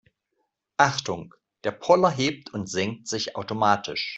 Achtung, der Poller hebt und senkt sich automatisch.